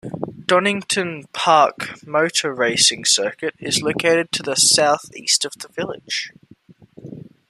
Donington Park motor racing circuit is located to the south east of the village.